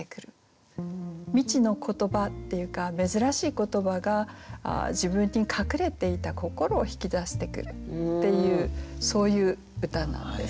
未知の言葉っていうか珍しい言葉が自分に隠れていた心を引き出してくるっていうそういう歌なんですね。